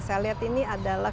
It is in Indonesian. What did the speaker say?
saya lihat ini adalah